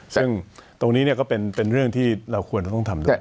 ซึ่งตรงนี้ก็เป็นเรื่องที่เราควรต้องทำด้วย